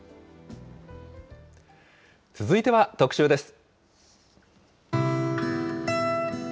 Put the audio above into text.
続いては特集です。